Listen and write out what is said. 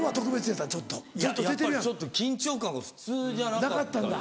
やっぱりちょっと緊張感が普通じゃなかったですね。